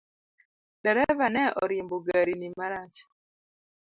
Dereva ne orimbo gari ni marach .